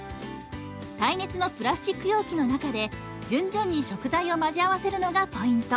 耐熱のプラスチック容器の中で順々に食材を混ぜ合わせるのがポイント。